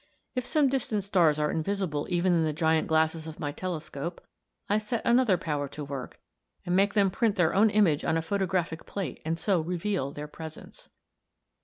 If some distant stars are invisible even in the giant glasses of my telescope, I set another power to work, and make them print their own image on a photographic plate and so reveal their presence.